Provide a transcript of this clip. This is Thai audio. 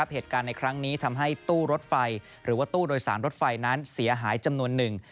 เหตุการณ์ในครั้งนี้ทำให้ตู้รถไฟหรือว่าตู้โดยสารรถไฟนั้นเสียหายจำนวนหนึ่ง